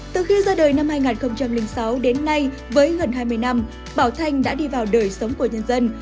từ khi ra đời năm hai nghìn sáu đến nay với gần hai mươi năm bảo thanh đã đi vào đời sống của nhân dân